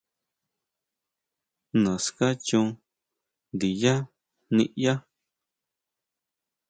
Naská chon ndinyá niʼyá.